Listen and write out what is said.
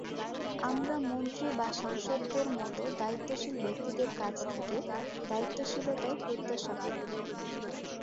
আমরা মন্ত্রী বা সাংসদদের মতো দায়িত্বশীল ব্যক্তিদের কাছ থেকে দায়িত্বশীলতাই প্রত্যাশা করি।